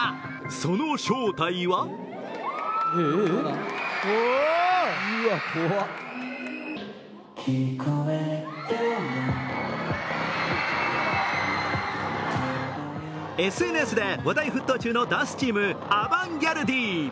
その正体はＳＮＳで話題ふっとう中のダンスチーム、アバンギャルディ。